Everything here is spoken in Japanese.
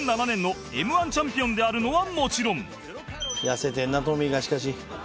２００７年の Ｍ−１ チャンピオンであるのはもちろん痩せてるなトミーがしかし。